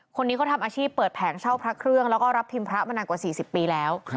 คนนี้เขาทำอาชีพเปิดแผงเช่าพระเครื่องแล้วก็รับพิมพ์พระมานานกว่า๔๐ปีแล้ว